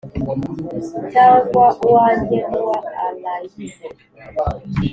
cyangwa uwanjye, nuwa allayne